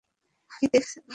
কী দেখছেন, ওস্তাদ?